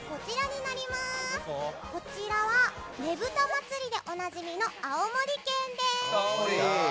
こちらは、ねぶた祭でおなじみの青森県です！